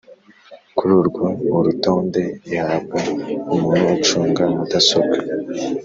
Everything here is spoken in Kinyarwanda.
kururwo urutonde ihabwa umuntu ucunga mudasobwa